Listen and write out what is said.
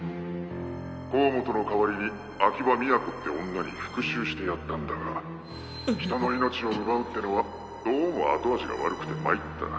甲本の代わりに秋葉都って女に復讐してやったんだが人の命を奪うってのはどうも後味が悪くてマイった。